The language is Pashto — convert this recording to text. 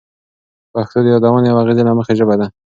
پښتو د یادونې او اغیزې له مخې ژبه ده.